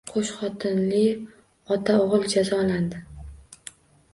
Qoʻshxotinli ota-oʻgʻil jazolandi